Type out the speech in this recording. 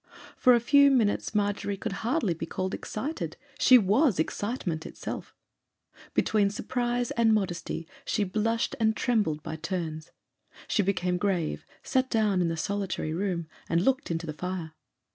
For a few minutes Margery could hardly be called excited; she was excitement itself. Between surprise and modesty she blushed and trembled by turns. She became grave, sat down in the solitary room, and looked into the fire.